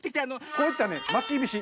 こういったね「まきびし」